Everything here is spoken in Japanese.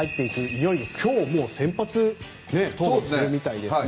いよいよ今日、もう先発投手をするみたいですね。